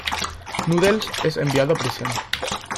Noodles es enviado a prisión.